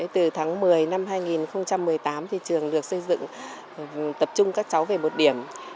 từ tháng một mươi năm hai nghìn một mươi tám trường được xây dựng tập trung các cháu về một điểm